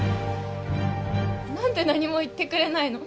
何で何も言ってくれないの？